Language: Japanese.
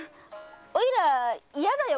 おいら嫌だよ